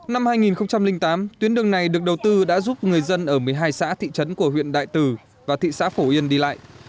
năm hai nghìn tám tuyến đường này được đầu tư đã giúp người dân ở một mươi hai xã thị trấn của huyện đại từ và thị xã phổ yên đi lại